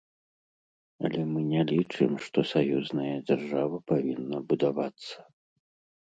Але мы не лічым, што саюзная дзяржава павінна будавацца.